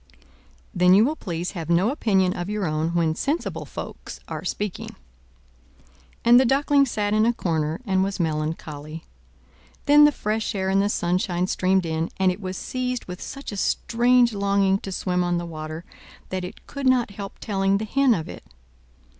"Then you will please have no opinion of your own when sensible folks are speaking. And the Duckling sat in a corner and was melancholy; then the fresh air and the sunshine streamed in; and it was seized with such a strange longing to swim on the water, that it could not help telling the Hen of it.